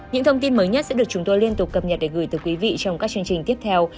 những thông tin mới nhất sẽ được chúng tôi liên tục cập nhật để gửi tới quý vị trong các chương trình tiếp theo